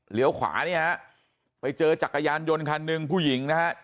ขวาเนี่ยฮะไปเจอจักรยานยนต์คันหนึ่งผู้หญิงนะฮะ